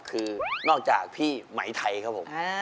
คือนอกจากพี่ไหมไทยครับผม